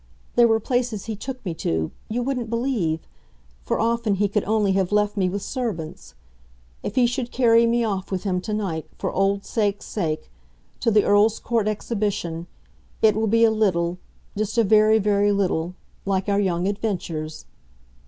There were places he took me to you wouldn't believe! for often he could only have left me with servants. If he should carry me off with him to night, for old sake's sake, to the Earl's Court Exhibition, it will be a little just a very, very little like our young adventures."